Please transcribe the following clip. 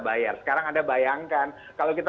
bayar sekarang anda bayangkan kalau kita